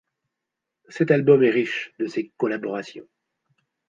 Cet album est riche de ses collaborations.